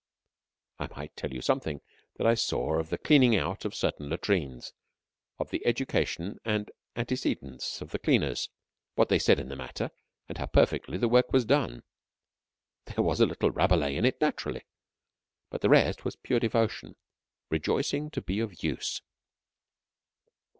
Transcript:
I might tell you something that I saw of the cleaning out of certain latrines; of the education and antecedents of the cleaners; what they said in the matter and how perfectly the work was done. There was a little Rabelais in it, naturally, but the rest was pure devotion, rejoicing to be of use.